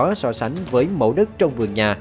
có so sánh với mẫu đất trong vườn nhà